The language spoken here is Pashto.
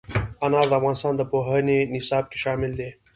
انار د افغانستان د پوهنې نصاب کې شامل دي.